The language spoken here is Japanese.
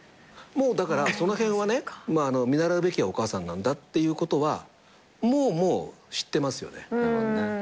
だからその辺はね見習うべきはお母さんなんだっていうことはもう知ってますよね。